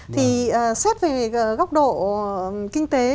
thì xét về góc độ kinh tế